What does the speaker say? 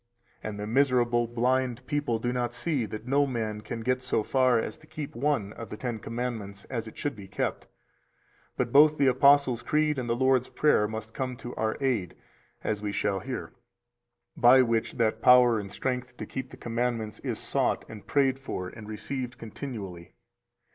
316 And the miserable blind people do not see that no man can get so far as to keep one of the Ten Commandments as it should be kept, but both the Apostles' Creed and the Lord's Prayer must come to our aid (as we shall hear), by which that [power and strength to keep the commandments] is sought and prayed for and received continually.